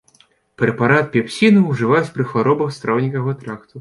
Прэпарат пепсіну ўжываюць пры хваробах страўнікавага тракту.